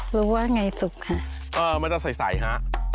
รู้ว่าไงสุกค่ะ